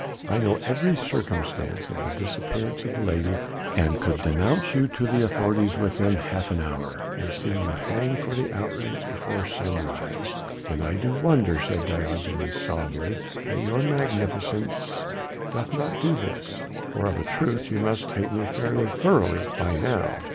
I know every circumstance of the disappearance of the lady, and could denounce you to the authorities within half an hour, and see you hanged for the outrage before sunrise." "Then I do wonder," said Diogenes suavely, "that your Magnificence doth not do this, for of a truth you must hate me fairly thoroughly by now."